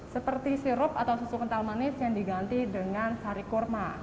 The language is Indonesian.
seperti sirup atau susu kental manis yang diganti dengan sari kurma